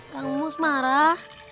kang umus marah